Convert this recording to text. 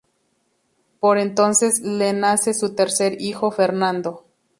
Por entonces le nace su tercer hijo, Fernando.